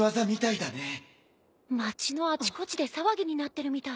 町のあちこちで騒ぎになってるみたい。